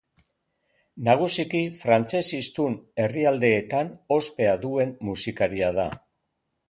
Nagusiki frantses hiztun herrialdeetan ospea duen musikaria da.